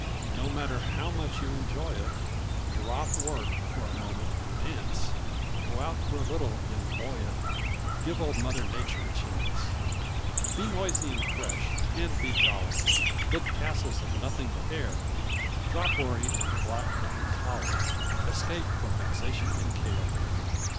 No matter how much you enjoy it, Drop work for a moment and dance; Go out for a little and " boy " it Give old Mother Nature a chance. Be noisy and fresh, and be jolly ; Build castles of nothing but air ; Drop worry and black melancholy Escape from vexation and care.